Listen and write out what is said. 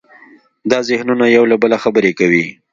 دا ذهنونه یو له بله خبرې کوي.